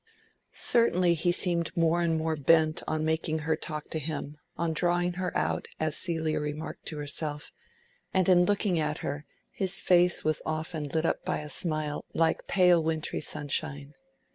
Certainly he seemed more and more bent on making her talk to him, on drawing her out, as Celia remarked to herself; and in looking at her his face was often lit up by a smile like pale wintry sunshine.